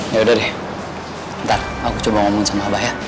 ya udah deh ntar aku coba ngomong sama abah ya